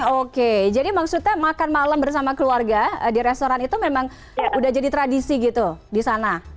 oke jadi maksudnya makan malam bersama keluarga di restoran itu memang udah jadi tradisi gitu di sana